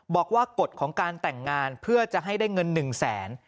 บอกว่ากฎของการแต่งงานเพื่อจะให้ได้เงินกฎ๑๐๐๐๐๐